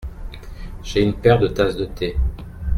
J’ai une paire de tasses de thé.